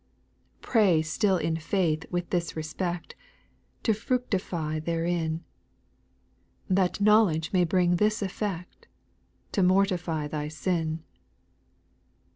6. Pray still in faith with this respect, To fructify therein ; That knowledge may bring this effect, To mortity thy sin.